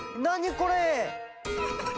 これ！